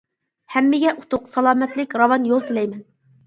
ھەممىگە ئۇتۇق، سالامەتلىك، راۋان يول تىلەيمەن!